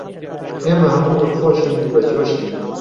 ئێمە هەموو دڵخۆشین و بەجۆشین